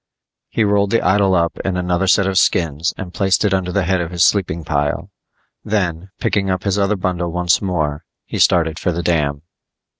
He rolled the idol up in another set of skins and placed it under the head of his sleeping pile. Then, picking up his other bundle once more, he started for the dam.